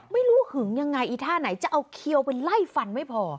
ไม่รู้หึงยังไงอีท่าไหนจะเอาเคี้ยวไปไล่ฟันไม่พอ